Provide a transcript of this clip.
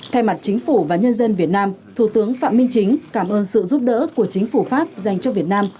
thay mặt chính phủ và nhân dân việt nam thủ tướng phạm minh chính cảm ơn sự giúp đỡ của chính phủ pháp dành cho việt nam